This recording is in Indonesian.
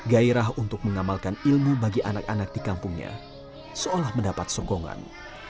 gairah untuk mengamalkan ilmu bagi anak anak di kampungnya seolah mendapat sokongan